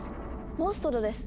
モンストロです。